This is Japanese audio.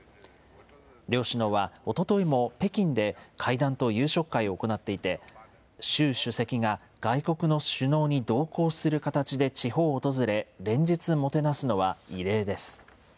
両首脳はおとといも北京で会談と夕食会を行っていて、習主席が外国の首脳に同行する形で地方を訪れ、連日もてなすのは異例です。